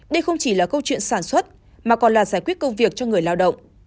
đây không chỉ là câu chuyện sản xuất mà còn là giải quyết công việc cho người lao động